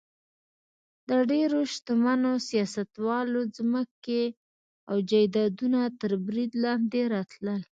د ډېرو شتمنو سیاستوالو ځمکې او جایدادونه تر برید لاندې راتلل.